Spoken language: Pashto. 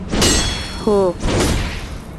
هو.